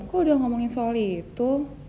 aku udah ngomongin soal itu